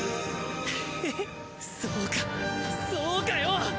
ヘヘッそうかそうかよ！